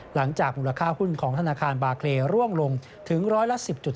หลังจากมูลค่าหุ้นของธนาคารบาเล่วงลงถึงร้อยละ๑๐๗